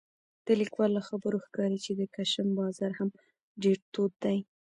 د لیکوال له خبرو ښکاري چې د کشم بازار هم ډېر تود دی